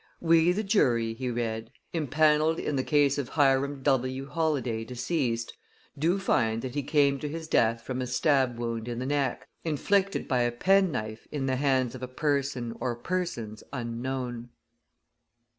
"We, the jury," he read, "impaneled in the case of Hiram W. Holladay, deceased, do find that he came to his death from a stab wound in the neck, inflicted by a pen knife in the hands of a person or persons unknown."